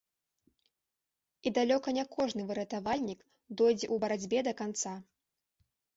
І далёка не кожны выратавальнік дойдзе ў барацьбе да канца.